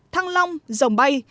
thăng long rồng bay